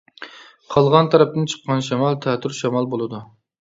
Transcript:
قالغان تەرەپتىن چىققان شامال تەتۈر شامال بولىدۇ.